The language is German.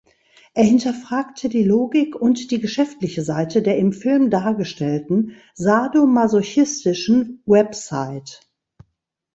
Er hinterfragte die Logik und die geschäftliche Seite der im Film dargestellten sadomasochistischen Website.